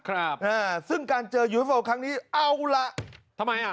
ครับอ่าซึ่งการเจอยูฟิลครั้งนี้เอาล่ะทำไมอ่ะ